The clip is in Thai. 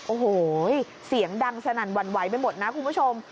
โอ้โหเสียงดังสนั่นหวั่นไหวไปหมดนะคุณผู้ชม